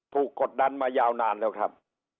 กดดันมายาวนานแล้วครับ